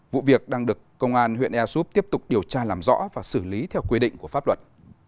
vụ việc đang được công an huyện ea súp tiếp tục điều tra làm rõ và xử lý theo quy định của pháp luật